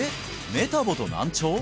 メタボと難聴？